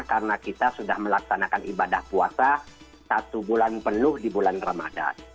karena kita sudah melaksanakan ibadah puasa satu bulan penuh di bulan ramadan